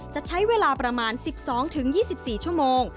จะใช้เวลาประมาณ๑๒๒๔ชั่วโมง